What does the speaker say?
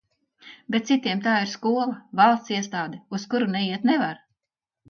Bet citiem tā ir skola, valsts iestāde, uz kuru neiet nevar.